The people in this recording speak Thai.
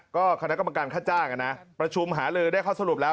ก็คณะกรรมการค่าจ้างประชุมหาลือได้ข้อสรุปแล้ว